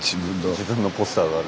自分のポスターがある。